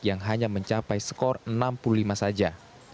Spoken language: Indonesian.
yang hanya mencapai skor enam puluh lima saja